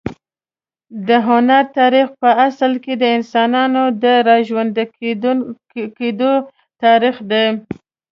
د هنر تاریخ په اصل کې د انسان د راژوندي کېدو تاریخ دی.